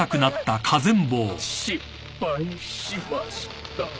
失敗しました。